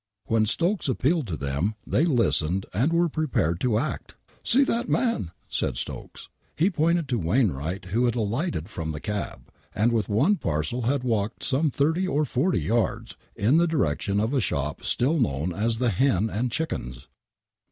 When Stokes appealed to them they listened and were prepared to act. " See that man !" said Stokes. He pointed to Wainwright, who had alighted from the cab» and with one parcel had walked on some thirty or forty yards, in the direction of a shop still known as the Hen and Chickens.